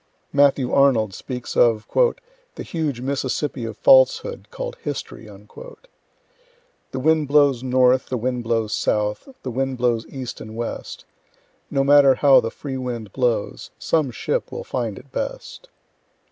Matthew Arnold speaks of "the huge Mississippi of falsehood called History." The wind blows north, the wind blows south, The wind blows east and west; No matter how the free wind blows, Some ship will find it best.